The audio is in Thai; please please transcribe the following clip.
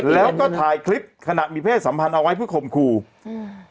แล้วก็ถ่ายคลิปขณะมีเพศสัมพันธ์เอาไว้เพื่อข่มขู่อืม